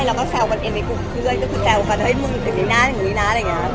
ใช่เราก็แซวกันเองไปกุบเครื่อยก็คือแซวกันเฮ้ยมึงอย่างนี้นะอย่างนี้นะอะไรอย่างนี้